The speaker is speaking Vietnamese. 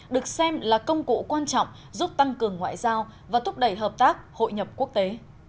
được xem là công cụ quan trọng giúp tăng cường ngoại giao và thúc đẩy hợp tác hội nhập quốc tế